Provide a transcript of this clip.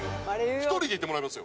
１人で行ってもらいますよ。